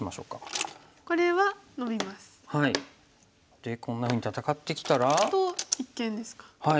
でこんなふうに戦ってきたら？と一間ですか。